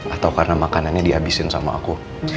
atau karena makanannya dihabisin sama aku